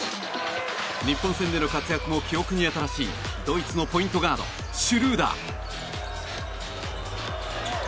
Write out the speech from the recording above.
日本戦での活躍も記憶に新しいドイツのポイントガードシュルーダー。